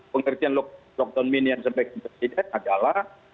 pengertian lockdown mini yang sempat dipercaya adalah